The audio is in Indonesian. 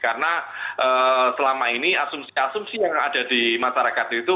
karena selama ini asumsi asumsi yang di luar terjadi sampai saat ini itu tidak benar gitu